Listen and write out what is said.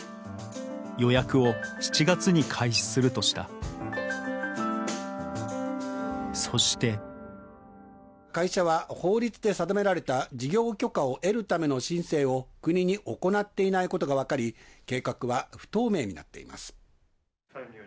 予約を７月に開始するとしたそして会社は法律で定められた事業許可を得るための申請を国に行っていないことが分かり計画は不透明になっています。